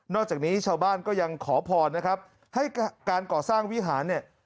อกจากนี้ชาวบ้านก็ยังขอพรนะครับให้การก่อสร้างวิหารเนี่ย